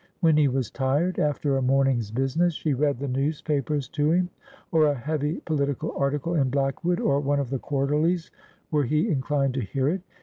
When he was tired after a morning's business, she read the newspapers to him, or a heavy political article in Blackwood or one of the Quarterlies, were he inclined to hear it.